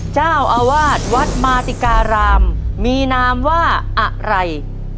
เจ้าอาวาสวัดมาติการามมีนามว่าอะไร